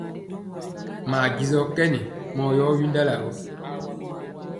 Maa jisɔɔ kɛn mɔɔ yɔ windala gɔ.